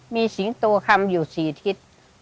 มีสิงตัวกรรมอยู่ศีทฤษ